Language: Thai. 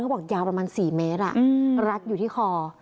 บอกยาวประมาณ๔เมตรรัดอยู่ที่คอ